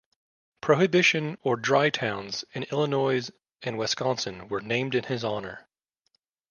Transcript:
Prohibition or dry towns in Illinois and Wisconsin were named in his honor.